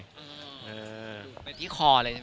มีที่คอเลยใช่ไหม